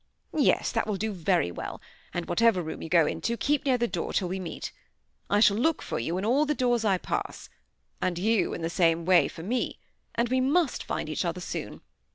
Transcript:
Yes, that will do very well; and whatever room you go into keep near the door till we meet. I shall look for you at all the doors I pass; and you, in the same way, for me; and we must find each other soon.